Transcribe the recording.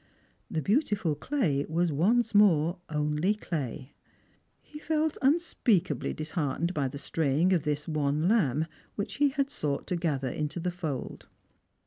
The beautiful clay was once more only clay. He felt unspeak ably disheartened by the straying of this one lamb, which he had sought to gather into the fold.